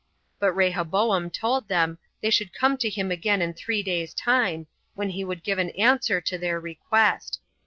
But Rehoboam told them they should come to him again in three days' time, when he would give an answer to their request.